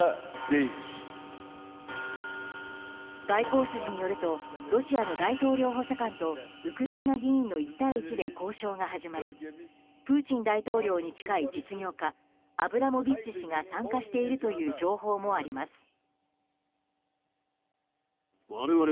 外交筋によるとロシアの大統領補佐官とウクライナ議員の１対１で交渉が始まりプーチン大統領に近い実業家アブラモビッチ氏が参加しているという情報もあります。